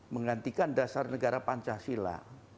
menggantikan dasar negara pancasila